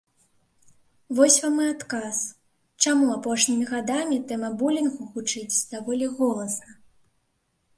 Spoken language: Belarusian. Вось вам і адказ, чаму апошнімі гадамі тэма булінгу гучыць даволі голасна.